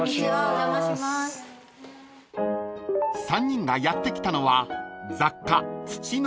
［３人がやって来たのは］